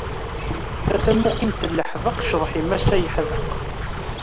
A tamuqint n leḥbeq, cceḍḥ-im ass-a yeḥdeq.